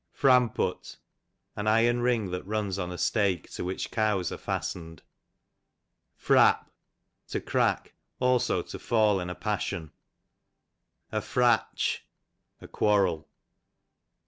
Framput, an iron ring that runs on a stake to which cows are fastened. Frap, to crack ; also to fall in a passiori. A Fratch, a quarrel.